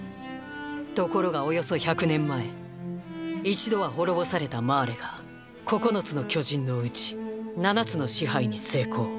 ところがおよそ１００年前一度は滅ぼされたマーレが九つの巨人のうち七つの支配に成功。